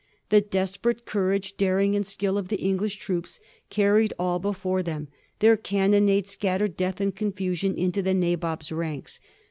The desperate courage, daring, and skill of the English troops carried all before them ; their cannonade scattered death and confusion into the Nabob's ranks.